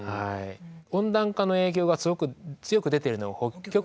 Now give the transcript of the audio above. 温暖化の影響がすごく強く出ているのは北極の方で。